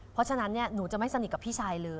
เพราะฉะนั้นหนูจะไม่สนิทกับพี่ชายเลย